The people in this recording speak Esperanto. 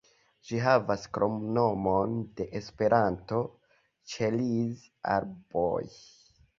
Ĝi havas kromnomon de Esperanto, "Ĉeriz-arboj".